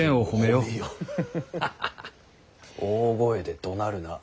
「大声でどなるな。